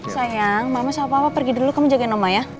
sayang mama sama papa pergi dulu kamu jagain mama ya